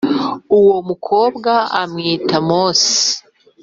uwo mukobwa amwita Mose